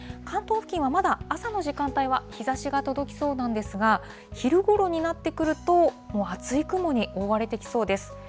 関東付近はまだ、朝の時間帯は日ざしが届きそうなんですが、昼ごろになってくると、もう厚い雲に覆われてきそうです。